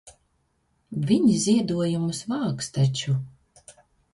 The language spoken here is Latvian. Viņi ziedojumus vāks taču.